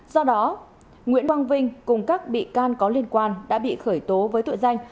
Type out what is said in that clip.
do đó nguyễn quang vinh cùng các bị can có liên quan đã bị khởi tố với tội danh